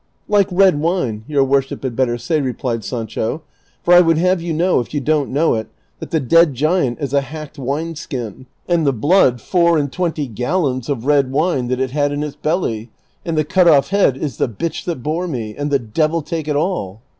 " Like red wine, your worship had better say," replied Sancho ;" for I would have you know, if you don't know it, that the dead giant is a hacked wine skin, and the blood four and twenty gallons of red wine that it had in its belly, and the cut off head is the bitch that bore me ; and the devil take it all."